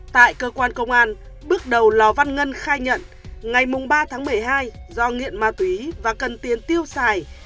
tại cơ quan công an bước đầu lò văn ngân khai nhận ngày ba tháng một mươi hai do nghiện ma túy và cần tiền tiêu xài